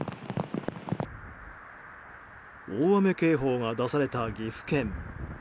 大雨警報が出された岐阜県。